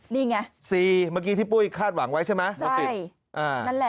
๔เมื่อกี้ที่ปุ้ยคาดหวังไว้ใช่ไหม